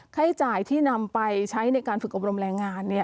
ให้จ่ายที่นำไปใช้ในการฝึกอบรมแรงงาน